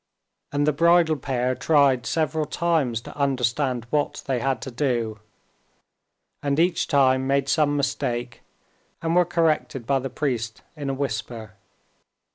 And the bridal pair tried several times to understand what they had to do, and each time made some mistake and were corrected by the priest in a whisper.